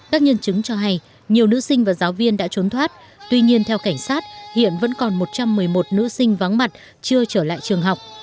các nhân chứng cho hay nhiều nữ sinh và giáo viên đã trốn thoát tuy nhiên theo cảnh sát hiện vẫn còn một trăm một mươi một nữ sinh vắng mặt chưa trở lại trường học